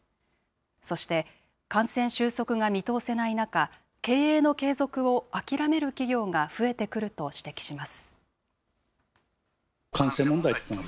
そして感染収束が見通せない中、経営の継続を諦める企業が増えてくると指摘します。